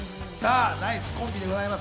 ナイスコンビでございます。